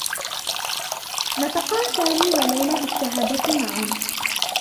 نطقا سامي و ليلى بالشّهادة معا.